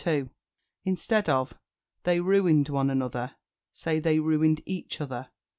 Instead of "They ruined one another," say "They ruined each other."